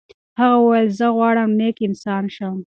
هغه وویل چې زه غواړم نیک انسان شم.